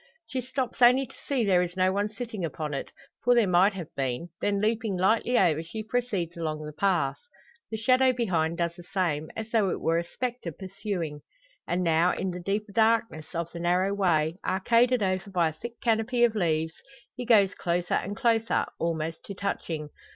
She stops only to see there is no one sitting upon it for there might have been then leaping lightly over, she proceeds along the path. The shadow behind does the same, as though it were a spectre pursuing. And now, in the deeper darkness of the narrow way, arcaded over by a thick canopy of leaves, he goes closer and closer, almost to touching.